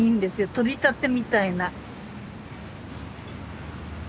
とりたてみたいな。